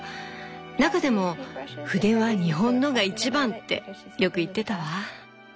中でも「筆は日本のが一番」ってよく言ってたわ。